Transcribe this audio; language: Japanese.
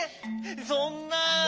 そんな。